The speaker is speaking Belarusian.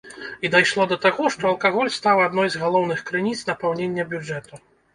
І дайшло да таго, што алкаголь стаў адной з галоўных крыніц напаўнення бюджэту.